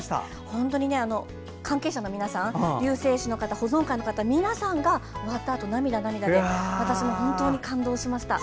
本当に関係者の皆さん龍勢師の方、保存会の方皆さんが終わったあと涙、涙で私も感動しました。